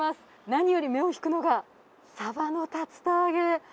何より目を引くのがサバの竜田揚げ。